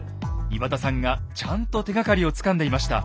岩田さんがちゃんと手がかりをつかんでいました。